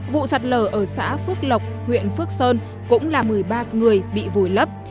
vụ sạt lở ở xã phước lộc huyện phước sơn cũng là một mươi ba người bị vùi lấp